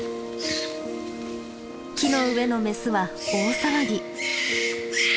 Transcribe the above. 木の上のメスは大騒ぎ。